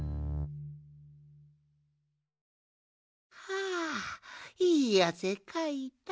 はあいいあせかいた。